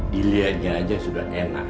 dilihat saja sudah enak